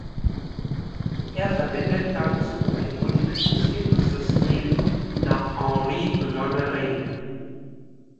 Er verwendet dazu ein modifiziertes System nach Henri Jeanneret.